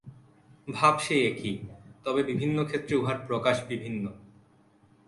ভাব সেই একই, তবে বিভিন্ন ক্ষেত্রে উহার প্রকাশ বিভিন্ন।